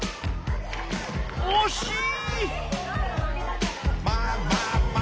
おしい！